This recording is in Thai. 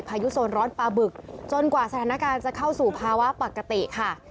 พายุโซนร้อนปลาบึกจนกว่าสถานการณ์จะเข้าสู่ภาวะปกติค่ะ